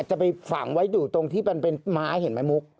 จะไปฝังไว้อยู่ตรงที่มันเป็นไม้เห็นไหมมุก